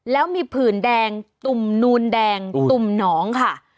แล้วมีผื่นแดงตุ่มนูนแดงตุ่มหนองค่ะ